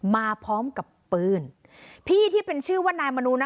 มาพร้อมกับปืนพี่ที่เป็นชื่อว่านายมนูนะ